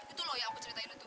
itu loh yang aku ceritain itu